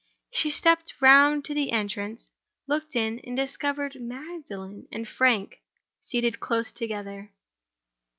She stepped round to the entrance; looked in; and discovered Magdalen and Frank seated close together.